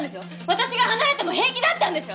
私が離れても平気だったんでしょ？